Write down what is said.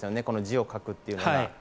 この字を書くというの。